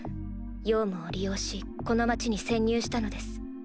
ヨウムを利用しこの町に潜入したのです。